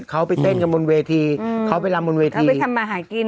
เขาไปเต้นกันบนเวทีเขาไปรำบนเวทีเขาไปทำมาหากิน